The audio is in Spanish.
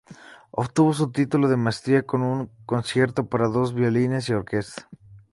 Obtuvo su título de Maestría con un "Concierto para dos violines y orquesta".